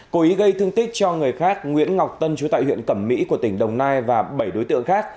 cố ý gây thương tích cho người khác nguyễn ngọc tân chú tại huyện cẩm mỹ của tỉnh đồng nai và bảy đối tượng khác